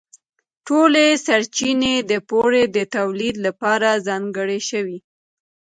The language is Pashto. ټولې سرچینې د بورې د تولیدً لپاره ځانګړې شوې.